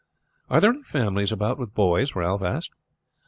"Are there any families about with boys?" Ralph asked.